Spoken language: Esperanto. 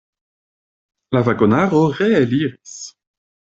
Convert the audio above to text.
La vagonaro reeliris.